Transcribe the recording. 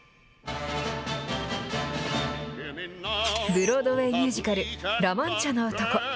ブロードウェイミュージカル、ラ・マンチャの男。